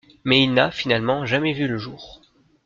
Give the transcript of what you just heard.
Mais il n'a, finalement, jamais vu le jour.